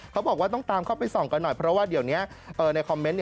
เขาบอกว่าต้องตามเข้าไปส่องกันหน่อยเพราะว่าเดี๋ยวนี้ในคอมเมนต์